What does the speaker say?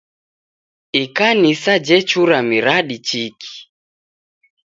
Ikanisa jechura miradi chiki.